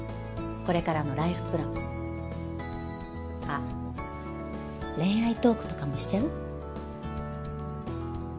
これからのライフプランあっ恋愛トークとかもしちゃう？